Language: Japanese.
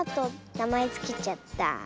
なまえつけちゃった。